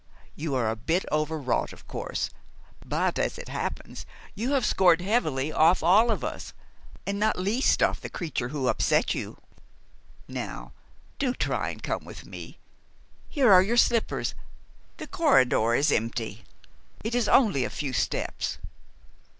You are a bit overwrought, of course; but, as it happens, you have scored heavily off all of us and not least off the creature who upset you. Now, do try and come with me. Here are your slippers. The corridor is empty. It is only a few steps."